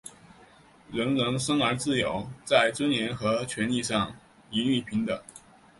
人人生而自由,在尊严和权利上一律平等。